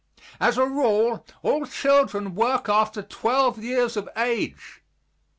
As a rule all children work after 12 years of age.